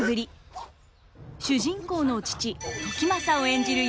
主人公の父時政を演じる